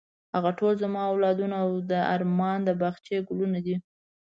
هغه ټول زما اولادونه او د ارمان د باغچې ګلونه دي.